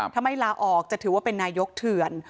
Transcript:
ถ้าไม่ลาออกจะถือว่าเป็นนายกเถื่อน